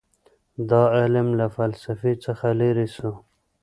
دا علم له فلسفې څخه لیرې سو.